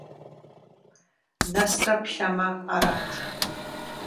Нэсрэ плъэмэ - арат.